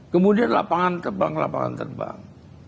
kemudian lapangan terbang